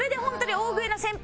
大食いの先輩？